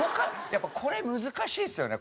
やっぱこれ難しいですよね。